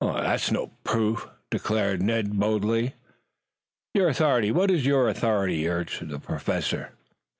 "That's no proof," declared Ned boldly. "Your authority what is your authority?" urged the Professor.